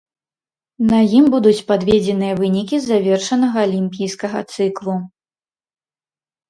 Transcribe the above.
На ім будуць падведзеныя вынікі завершанага алімпійскага цыклу.